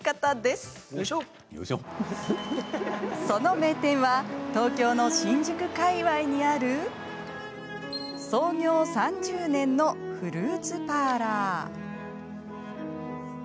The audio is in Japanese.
その名店は東京の新宿界わいにある創業３０年のフルーツパーラー。